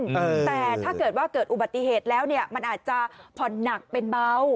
แต่ถ้าเกิดว่าเกิดอุบัติเหตุแล้วเนี่ยมันอาจจะผ่อนหนักเป็นเบา